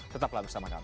tetaplah bersama kami